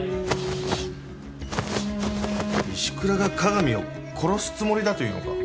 石倉が加賀見を殺すつもりだというのか？